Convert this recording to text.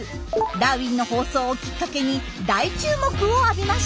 「ダーウィン」の放送をきっかけに大注目を浴びました。